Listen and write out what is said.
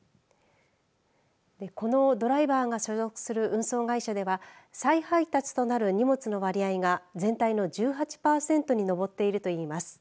このドライバーが所属する運送会社では再配達となる荷物の割合が全体の１８パーセントに上っているといいます。